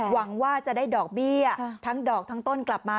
หวังว่าจะได้ดอกเบี้ยทั้งดอกทั้งต้นกลับมา